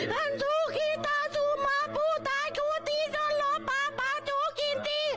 ทั้งสุขทัศุมาภูทัศุทธิสลบทัศุกินทิ